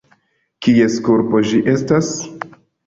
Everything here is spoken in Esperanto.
Kies kulpo ĝi estas?